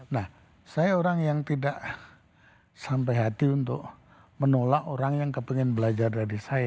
nah saya orang yang tidak sampai hati untuk menolak orang yang kepengen belajar dari saya